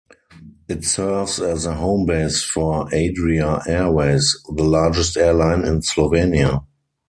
It serves as the homebase for Adria Airways, the largest airline in Slovenia.